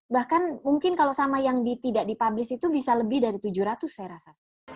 bahkan mungkin kalau sama yang tidak dipublis itu bisa lebih dari tujuh ratus saya rasa